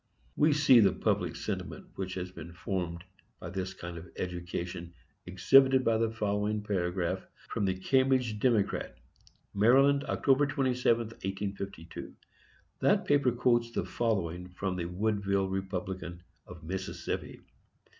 We see the public sentiment which has been formed by this kind of education exhibited by the following paragraph from the Cambridge Democrat, Md., Oct. 27, 1852. That paper quotes the following from the Woodville Republican, of Mississippi.